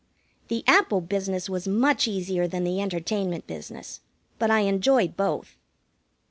The Apple business was much easier than the Entertainment business; but I enjoyed both.